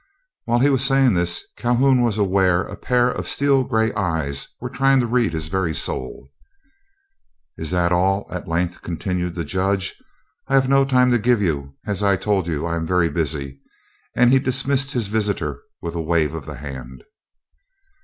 While he was saying this, Calhoun was aware a pair of steel gray eyes were trying to read his very soul. "Is that all?" at length continued the Judge. "I have no time to give you; as I told you, I am very busy," and he dismissed his visitor with a wave of the hand.